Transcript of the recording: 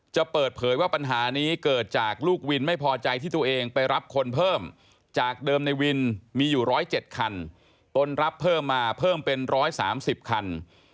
เปิดเผยว่าปัญหานี้เกิดจากลูกวินไม่พอใจที่ตัวเองไปรับคนเพิ่มจากเดิมในวินมีอยู่๑๐๗คันตนรับเพิ่มมาเพิ่มเป็น๑๓๐คัน